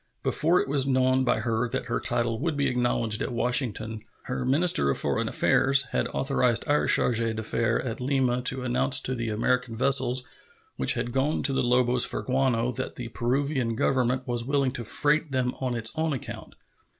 Before it was known by her that her title would be acknowledged at Washington, her minister of foreign affairs had authorized our charge d'affaires at Lima to announce to the American vessels which had gone to the Lobos for guano that the Peruvian Government was willing to freight them on its own account.